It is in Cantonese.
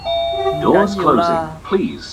唔緊要啦